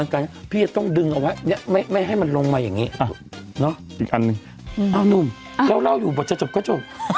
ลงมาอย่างงี้อ่ะเนอะอีกอันหนึ่งเอานุ่มเขาเล่าอยู่บทจะจบก็จบ